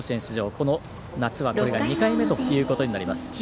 この夏はこれが２回目ということになります。